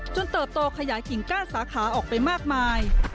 เติบโตขยายกิ่งก้านสาขาออกไปมากมาย